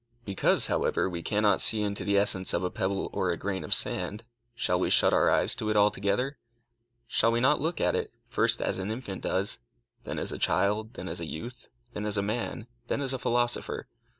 Because, however, we cannot see into the essence of a pebble or a grain of sand, shall we shut our eyes to it altogether? Shall we not look at it, first as an infant does, then as a child, then as a youth, then as a man, then as a philosopher?